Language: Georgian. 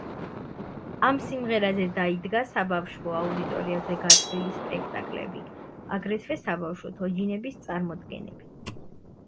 ამ სიმღერაზე დაიდგა საბავშვო აუდიტორიაზე გათვლილი სპექტაკლები, აგრეთვე საბავშვო თოჯინების წარმოდგენები.